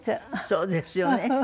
そうですよね。